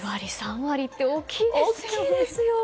２割、３割って大きいですよね。